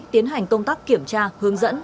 tiến hành công tác kiểm tra hướng dẫn